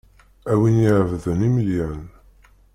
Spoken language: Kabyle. A win iɛebḏen imelyan.